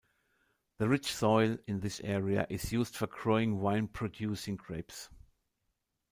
The rich soil in this area is used for growing wine-producing grapes.